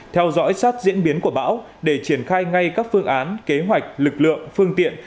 theo dõi sát diễn biến của bão để triển khai ngay các phương án kế hoạch lực lượng phương tiện